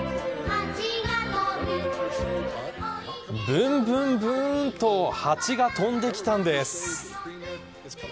ぶんぶんぶーんとハチが飛んできたんです。